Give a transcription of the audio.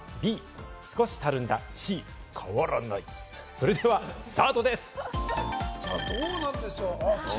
それではスタートです。